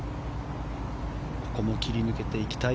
ここも切り抜けていきたい